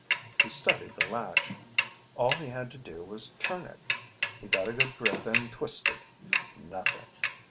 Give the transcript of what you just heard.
He studied the latch. All he had to do was turn it. He got a good grip and twisted. Nothing.